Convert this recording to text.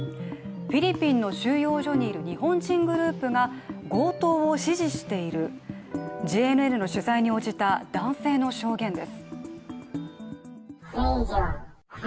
フィリピンの収容所にいる日本人グループが強盗を指示している、ＪＮＮの取材に応じた男性の証言です。